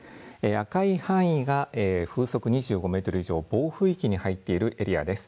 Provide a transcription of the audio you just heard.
赤い範囲が風速２５メートル以上暴風域に入っているエリアです。